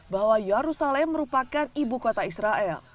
bahwa yerusalem merupakan ibu kota israel